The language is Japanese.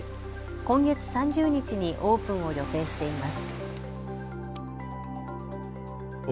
今月３０日にオープンを予定しています。